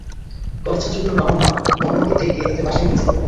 College ছাত্রগুলোর বাবা-মাকে ডেকে তাদের বাসায় নিয়ে যেতে বলো।